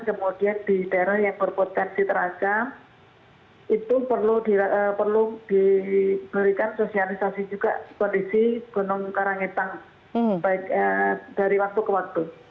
kemudian di daerah yang berpotensi teracam itu perlu diberikan sosialisasi juga kondisi gunung karangetang baik dari waktu ke waktu